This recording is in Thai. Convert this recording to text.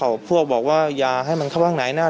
ต่อยอีกต่อยอีกต่อยอีกต่อยอีกต่อยอีก